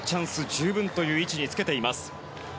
十分という位置につけています。